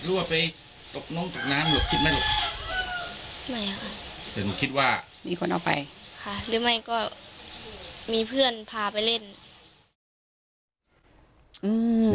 หรือว่าไปตกน้องตกน้ำหรือคิดไม่หรือ